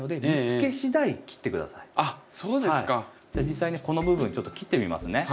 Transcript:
じゃあ実際にこの部分ちょっと切ってみますね。